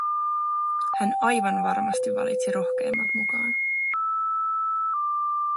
Hän aivan varmasti valitsi rohkeimmat mukaan.